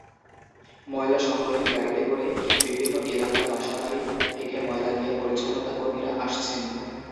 ময়লা সংগ্রহের গাড়িতে করে বিভিন্ন এলাকার বাসাবাড়ি থেকে ময়লা নিয়ে পরিচ্ছন্নতাকর্মীরা আসছেন।